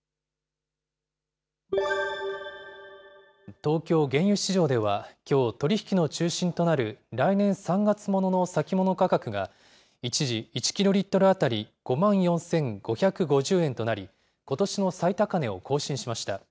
東京原油市場ではきょう、取り引きの中心となる来年３月ものの先物価格が一時、１キロリットル当たり５万４５５０円となり、ことしの最高値を更新しました。